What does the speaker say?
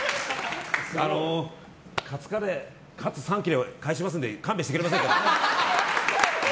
カツカレーカツ３切れは返しますんで勘弁してくれませんか？